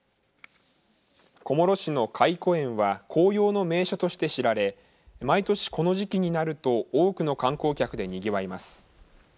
小諸市の懐古園は紅葉の名所として知られ毎年この時期になると多くの観光客でにぎわいます。